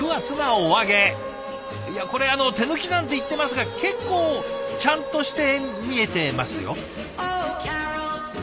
いやこれあの手抜きなんて言ってますが結構ちゃんとして見えてますよ。